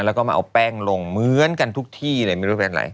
แล้วก็มาเอาแป้งลงเหมือนกันทุกที่เลยไม่รู้เป็นอะไร